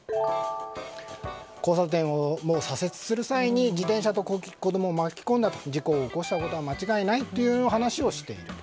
交差点を左折する際に自転車と子供を巻き込んだ事故を起こしたことは間違いないという話をしている。